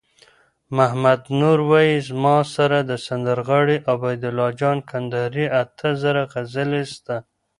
محمد نور وایی: زما سره د سندرغاړی عبیدالله جان کندهاری اته زره غزلي سته